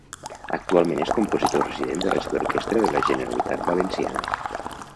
Actualment és compositor resident de la Jove Orquestra de la Generalitat Valenciana.